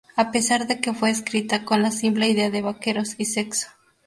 A pesar de que fue escrita con la simple idea de Vaqueros y sexo.